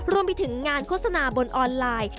รวมไปถึงงานโฆษณาบนออนไลน์